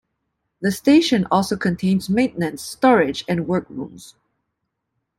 The station also contains maintenance, storage, and work rooms.